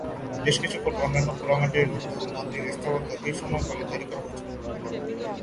বেশ কিছু অনন্য পোড়ামাটির হিন্দু মন্দির স্থাপত্য এই সময়কালে তৈরি করা হয়েছিল।